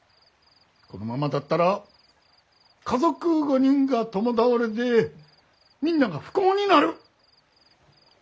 このままだったら家族５人が共倒れでみんなが不幸になる。